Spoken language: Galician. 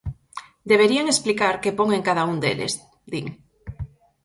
"Deberían explicar que pon en cada un deles", din.